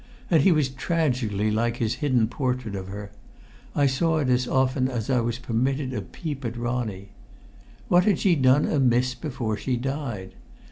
And he was tragically like his hidden portrait of her. I saw it as often as I was permitted a peep at Ronnie. What had she done amiss before she died?